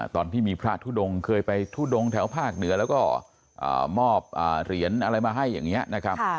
ตอนที่มีพระทุดงเคยไปทุดงแถวภาคเหนือแล้วก็มอบเหรียญอะไรมาให้อย่างนี้นะครับ